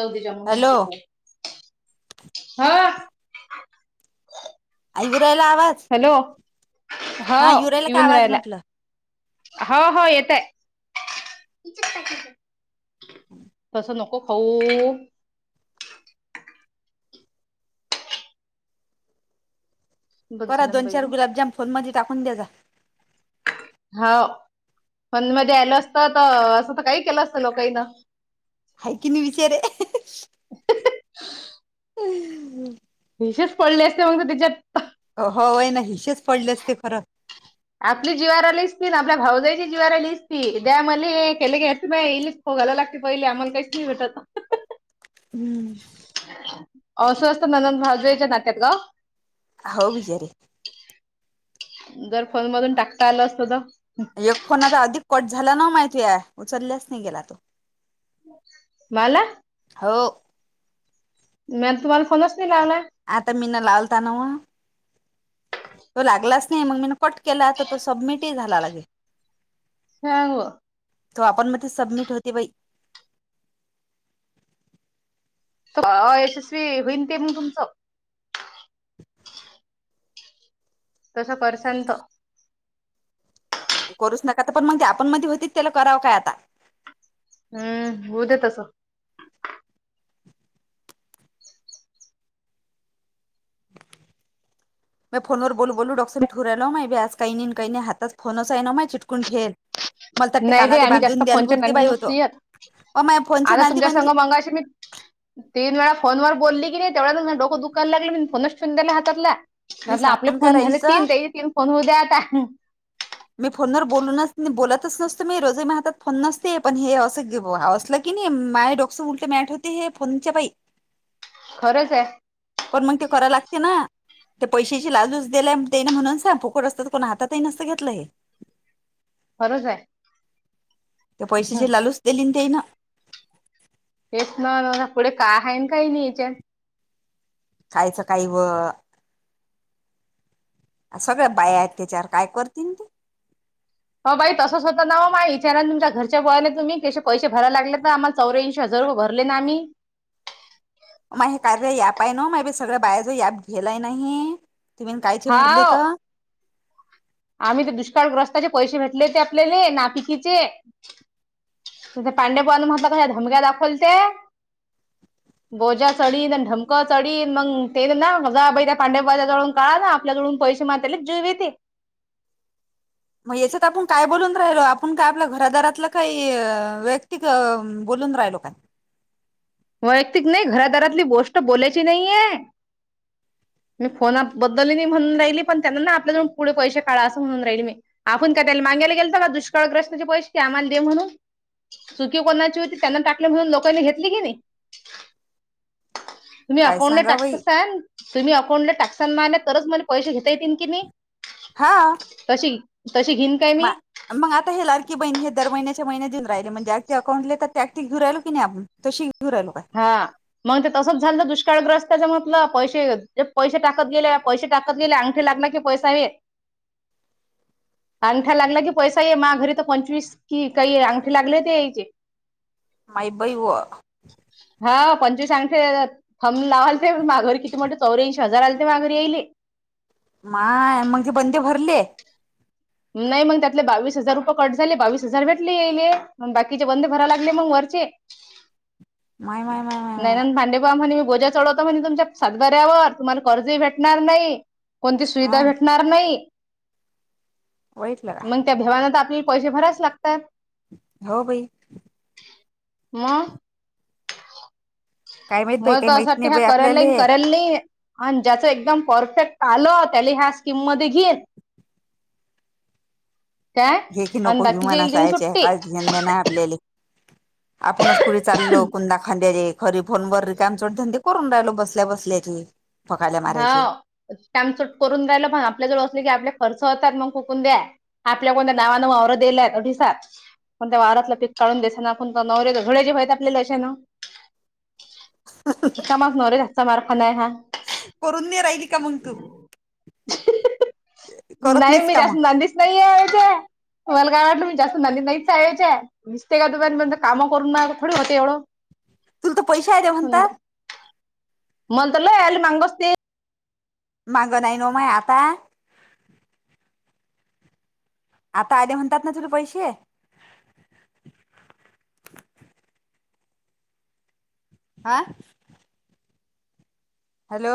जाऊदे जाणवू हॅलो नको काय - आ येऊ रायला आवाज हॅलो हो हा युरायला का येऊन आवाज राहाला. म्हटलं हो हो येतय तसं नको खाऊ बस करा झालं ना दोन बाई चार गं गुलाबजाम फोन मधी टाकून द्या जा हाव पण म दयायल असतं त असं त काही केलं असतं लोकाई न हाय की नाय विचारे [unintelligible] [unintelligible] हिशेच पडले असते मंग त त्याच्यात होय न हिशेच पडले असते खरं आपली जीवावर आली असती ना आपल्या भाऊजय च्या जीवावर आली असती द्या मले हे केले घायचे मं भोगाला लागते पहिले आम्हाला काहीच नाय भेटत. हम्म अव अस असत ननंद भावजयच्या नात्यात ग हाव बिचारी जर फोन मधून टाकता आलं असतं त एक फोन आता आधि कट झाला ना माहितीय आहे, उचलल्याच नाही गेला तो. माला. हो! म्या न तुम्हाला फोनच नाही लावला. आता मीन लालता नव, तो लागलाच नाही मग मीन कट केला त तो समिटही झाला लगे. हांव. तो आपण म ते सबमिट होते बई. का यशस्वी होईन ते मंग तुमचं तसं परसंत. करूच नका, त पण मंग ते आपण मध्ये होतीत त्याला करावं काय आता. हूं हुदे तस. [inaudible] मह्या फोनवर बोलू, बोलू डोक्स निट हूं राहील ओ माय, बी आज काही नी न काही नी हाताच फोनच आहे ना माय चीटकून ठेल [inaudible] नही बई कानाले आम्ही जास्त बांधून द्यायला फोनच्या पुरती बाई नांदी होतो नसतुयांत, अ माझ्या फोनच्या आता नांदी तुमच्या म्हणजे संघ मंगाशी मी तीन वेळा फोन वर बोलली कीनी, तेवड्यातच मह्य डोकं दुकायला लागल, मिनी फोनच ठेवून देला हातातला मी अपल आपले सांगून काय फोन राहील झाले तर तीन, तेही तीन फोन हू दया आता मी फोनवर बोलूनच बोलतच नसत मी रोजही मह्या हातात फोन नसते पण हें असं गे असलं कि नी माये डोक्स उलट मॅट होते हे फोनच्या पाई. खरंच आहे. पण मंग ते करायला लागते ना ते पैशाची लालूस देल्या ते न म्हणून सांग, फुकट असत त कोण हाततही नसंत घेतलं हे. खरंच आहे त्या पैश्याची लालूच दिलीन ते न हेच ना नन पुढे काय आहे काही नाही याच्यात. खायचं काही व अ सगळ्या बाया आहेत त्याच्यावर काय करतीन ते हो बाई तसंच होता ना ओ माय विचारां न तुमच्या घरच्या बुवा ले, तुमी केसे पैसे भराय लागले त आम्हा चौऱ्याऐंशी हजार रुपये भरले ना आमी मा हे कार्या यांप आहे ना मायबी सगळं बायां जो याप घेलाय नाही तुमिन कायचे भरले हाव त आम्ही ते दुष्काळग्रस्ताचे पैसे भेटले ते आपल्याले नापिकीचे तते पांडेपन [unintelligible] कश्या धमक्या दाखवलते [inaudible] बोजा चढीन, न ढमक चढीन मंग ते ना जा बहिऱ्या पांडेवाल्या जवळून काळा ना आपल्याजुळून पैसे मातेले जीवी ते. मग याच्यात आपूण काय बोलून राहिलो, आपूण काय आपल्या घरादारातलं काही व्येक्तीक त बोलून राहिलो काय? वैयक्तिक नाही घरादरातली गोष्ट बोलायची नाहीेय. मी फोनाबद्दल नाही म्हणून राहिली, पण त्यांना ना आपल्या जवळून पुढे पैसे काढ असं म्हणून राहिली मी. आपण का त्याला मागंयला गेलतो का दुष्काळग्रस्तांचे पैसे की आमाला दे म्हणून. चुकी कोणाची होती, त्यांन टाकली म्हणून लोकांनी घेतली की नाही तुम्ही काय अकाउंटला सांगा बाई टाकक्सान, तुम्ही अकाउंटला टाक्सन माले तरच मले पैसे घेता येतीन किनी तशी-तशी घिन मा मग आता हे लाडकी बहिणी हे दर महिन्याच्या महिन्यात येऊन राहिले म्हणजे अगदी अकाउंटले तर त्यात घेऊ राहिल कि नाही आपण तशी घेऊ राहिलो काय? हा मग ते तसंच झालं ना दुष्काळग्रस्तच्या मधलं पैसे पैसे टाकत गेले पैसे टाकत गेले अंगठे लागला कि पैसा येत अंगठा लागला की पैसा ये माया घरी तर पंचवीस की काही अंगठी लागले होते. माय बाई व हा पंचवीस अंगठे थम लावायलते माय घर किती मोठे चौऱ्याऐंशी हजार आलेल ते माघरी येईले. माय मग ते बंदे भरले [unintelligible] नाही मग त्यातले बावीस हजार रुपये कट झाले बावीस हजार भेटले येईले मग बाकीचे बंद भरायला लागले मग वरचे माय माय माय माय नाहीनंद भांडेपावा म्हणे मी गोज्या चढवतो म्हणे तुमच्या सातभऱ्यावर तुम्हाला कर्जी भेटणार नाही [unintelligible] कोणती हा सुविधा भेटणार नाही. बघितलं का मग त्या भेवानात आपले पैसे भरायलाच लागतात हो बाई मग काय माहित बाई मग काही तर असं माहित वाटते नाही ह्या बाई कल आपल्याले नाहीईन कल नाही [unintelligible] आणि ज्याचं एकदम परफेक्ट आलं त्याला ह्या स्कीम मध्ये घेईन. काय जे की आणि नको बाकीच्या विुमान येईल दिन असयचे सुट्टी काहीच घेणदेणध नाही आपल्याले [unintelligible] आपणच कुठे चालो कुदा खांद्याला एक खरी फोनवरर कामचोड धंदे करून राहिलो बसल्या बसल्याची [unintelligible] हा कामसूट करून राहिलं पण आपल्या जवळ असले की आपले खर्च होतात मग खुकून द्या. आपल्या कोणत्या नावानव औवर दिल्यायठीस [unintelligible] कोणत वारातलं पीक काढून देसना कोणत नवरऱ्या झुळेजी व्हा आपल्यालाशे ना [unintelligible] एका मग नव रे त्याचा मारफा नाही हा [unintelligible] करून न राहिली का मग तु? करत नाही नाहीस मी का जास्त मग नादीच मला काय वाटलंच्या अस ननाचचायच्या आहे [unintelligible] नुसतेका दुपारपर्ंत काम करून थोडी होते एवढं [unintelligible] तुला तर पैसे आले म्हणता? म्हणंत ल याल मांगस ते [unintelligible] मागं नाही नोम आहे आता [unintelligible] आता आले म्हणतात ना तुला पैसे आ हॅलो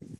हम्